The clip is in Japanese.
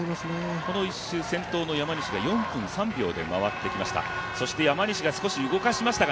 この１周、先頭の山西が４分３秒で回してきました。